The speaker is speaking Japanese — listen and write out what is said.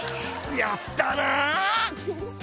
やったな！